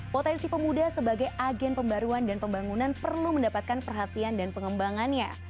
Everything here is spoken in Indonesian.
potensi pemuda sebagai agen pembaruan dan pembangunan perlu mendapatkan perhatian dan pengembangannya